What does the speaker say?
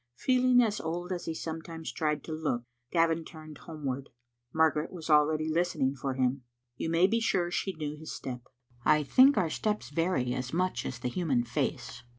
'" Feeling as old as he sometimes tried to look, Gavin turned homeward. Margaret was already listening for him. You may be sure she knew his step. I think our steps vary as much as the human face.